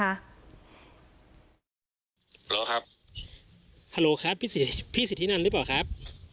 โหลครับฮัลโหลครับพี่สิทธินันหรือเปล่าครับ